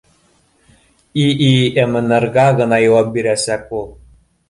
ИИМнрга гына яуап бирәсәк ул